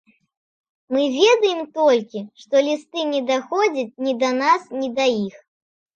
Мы ведаем толькі, што лісты не даходзяць ні да нас, ні да іх.